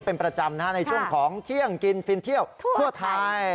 เป็นประจำในช่วงของเที่ยงกินฟินเที่ยวทั่วไทย